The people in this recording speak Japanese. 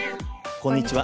こんにちは。